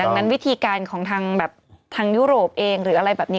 ดังนั้นวิธีการของทางแบบทางยุโรปเองหรืออะไรแบบนี้